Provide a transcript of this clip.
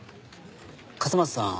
笠松さん